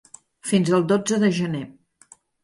Fins el dotze de gener.